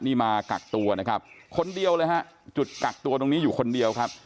นี่มากักตัวนะครับคนเดียวเลยฮะจุดกักตัวตรงนี้อยู่คนเดียวครับ